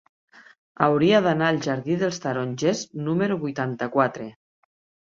Hauria d'anar al jardí dels Tarongers número vuitanta-quatre.